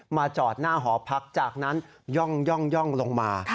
จอดหน้าหอพักจากนั้นย่องลงมา